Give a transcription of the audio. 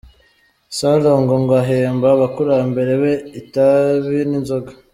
Salongo ngo ahemba abakurambere be itabi n’inzoga.